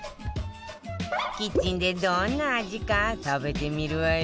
キッチンでどんな味か食べてみるわよ